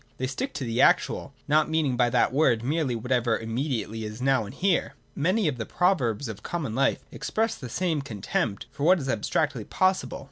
They stick to the actual (not mean ing by that word merely whatever immediately is now and here). Many of the proverbs of common life express the same contempt for what is abstractly possible.